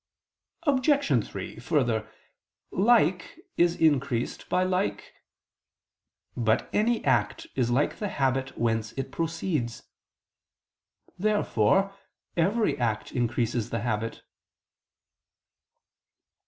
Obj. 3: Further, like is increased by like. But any act is like the habit whence it proceeds. Therefore every act increases the habit.